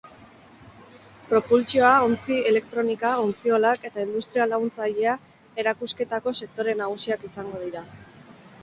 Propultsioa, ontzi-elektronika, ontziolak eta industria laguntzailea erakusketako sektore nagusiak izango dira.